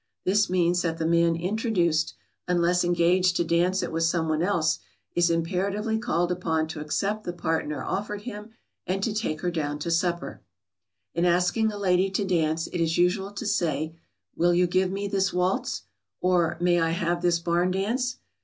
This means that the man introduced, unless engaged to dance it with some one else, is imperatively called upon to accept the partner offered him and take her down to supper. [Sidenote: Asking a lady to dance.] In asking a lady to dance it is usual to say, "Will you give me this waltz?" or "May I have this barn dance?"